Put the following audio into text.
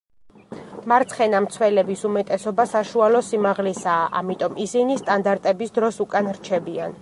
მარცხენა მცველების უმეტესობა საშუალო სიმაღლისაა ამიტომ ისინი სტანდარტების დროს უკან რჩებიან.